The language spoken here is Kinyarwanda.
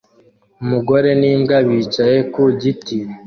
Umugore n'imbwa bicaye ku giti